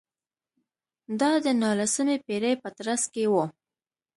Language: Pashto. دا د نولسمې پېړۍ په ترڅ کې و.